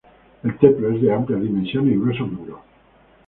El templo es de amplias dimensiones y gruesos muros.